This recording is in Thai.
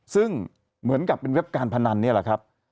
ซึ่งเหมือนกับเป็นเว็บการพนันนี่แหละครับ